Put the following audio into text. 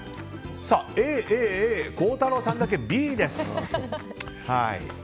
孝太郎さんだけＢです。